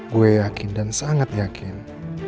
gue yakin dan sangat yakin